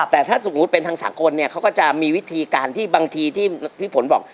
แต่ถ้าสมมุติเป็นทางสากลเนี่ยเขาก็จะมีวิธีการที่บางทีที่พี่ฝนบอก